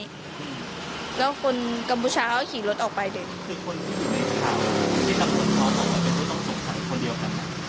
แล้วคนกัมพูชาเขาขี่รถออกไปเดิน